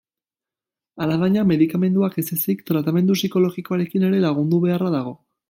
Alabaina, medikamentuak ez ezik, tratamendu psikologikoarekin ere lagundu beharra dago.